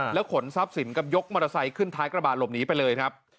ขนทรัพย์สินกับยกมอเตอร์ไซค์ขึ้นท้ายกระบาดหลบหนีไปเลยครับ